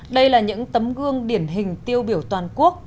đây là những tấm gương điển hình tiêu biểu toàn quốc